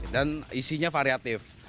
dan isinya variatif